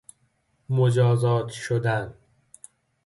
مجازات شدن